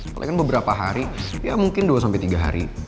kalo kan beberapa hari ya mungkin dua tiga hari